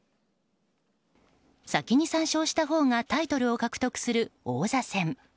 先に３勝したほうがタイトルを獲得する王座戦。